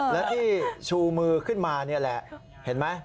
และที่ชูมือขึ้นมานี่แหละเห็นไหม